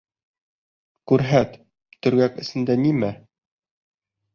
Күрһәт, төргәк эсендә нимә?